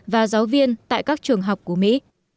và giáo viên tại các trường học của mỹ